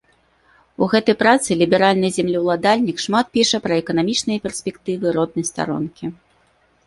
У гэтай працы ліберальны землеўладальнік шмат піша пра эканамічныя перспектывы роднай старонкі.